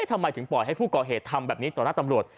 ทำไมถึงปล่อยให้ผู้ก่อเหตุทำแบบนี้ต่อหน้าตำรวจ